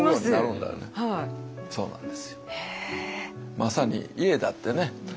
まさに家だってね